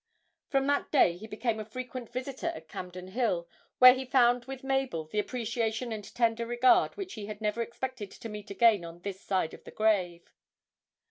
From that day he became a frequent visitor at Campden Hill, where he found with Mabel the appreciation and tender regard which he had never expected to meet again on this side of the grave.